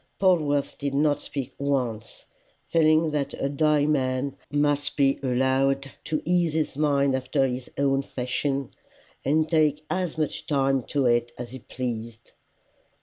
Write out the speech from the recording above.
Polwarth did not speak once, feeling that a dying man must be allowed to ease his mind after his own fashion, and take as much time to it as he pleased.